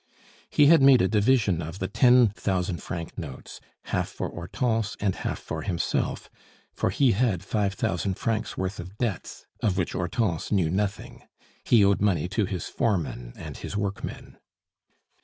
He had made a division of the ten thousand franc notes, half for Hortense and half for himself, for he had five thousand francs' worth of debts of which Hortense knew nothing. He owed money to his foreman and his workmen.